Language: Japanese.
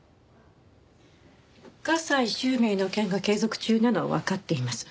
加西周明の件が継続中なのはわかっています。